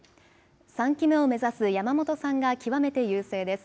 ３期目を目指す山本さんが極めて優勢です。